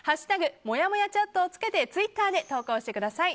「＃もやもやチャット」をつけてツイッターで投稿してください。